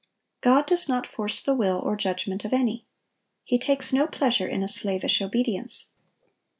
God does not force the will or judgment of any. He takes no pleasure in a slavish obedience.